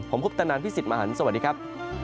ผมคุปตะนันพี่สิทธิ์มหันฯสวัสดีครับ